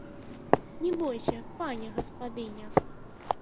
Не бойся, пані гаспадыня!